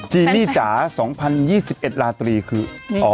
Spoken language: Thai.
จีนี่จ๋า๒๐๒๑ลาตรีคือ